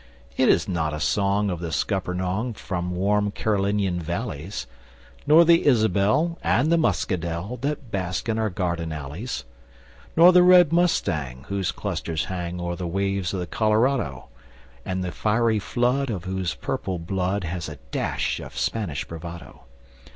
It is not a song Of the Scuppernong, From warm Carolinian valleys, Nor the Isabel And the Muscadel That bask in our garden alleys. Nor the red Mustang, Whose clusters hang O'er the waves of the Colorado, And the fiery flood Of whose purple blood Has a dash of Spanish bravado.